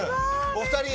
お二人。